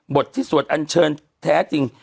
ที่สวดอันเชิญแท้จริง